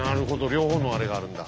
両方のあれがあるんだ。